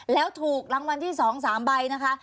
แล้วถูกรางวัลที่๒๓ใบนะคะ